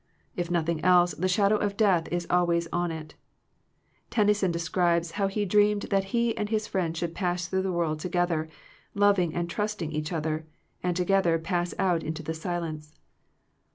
If nothing else, the shadow of death is always on it Tennyson de scribes how he dreamed that he and his friend should pass through the world to gether, loving and trusting each other, and together pass out into the silence.